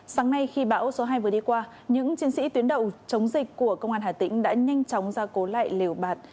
sáng nay khi bão số hai vừa đi qua những chiến sĩ tuyến đầu chống dịch của công an hà tĩnh đã nhanh chóng ra cố lại liều bạt